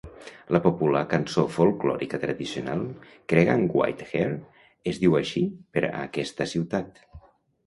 La popular cançó folklòrica tradicional "Creggan White Hare" es diu així per aquesta ciutat.